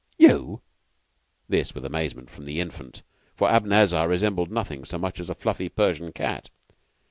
"You!" This with amazement from the Infant, for Abanazar resembled nothing so much as a fluffy Persian cat.